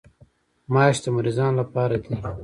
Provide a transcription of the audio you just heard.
ماش د مریضانو لپاره دي.